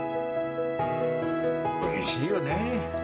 うれしいよね。